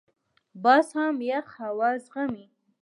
باز هم یخ هوا زغمي